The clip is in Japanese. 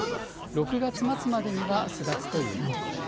６月末までには巣立つということです。